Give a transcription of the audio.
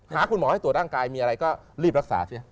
หาคุณหมอให้ตรวจร่างกายมีอะไรก็รีบรักษาสิ